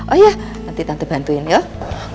oh iya nanti tante bantuin yuk